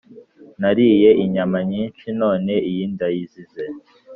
nariye inyama nyinshi none iyi ndayizize